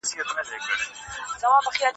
ځینې خلکو د مړیو غوښې خوړلې.